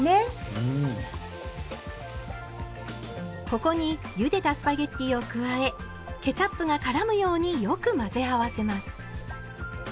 ここにゆでたスパゲッティを加えケチャップがからむようによく混ぜ合わせます。